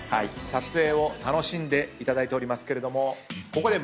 撮影を楽しんでいただいてますがここで。